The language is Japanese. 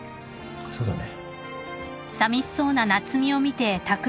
そうだね。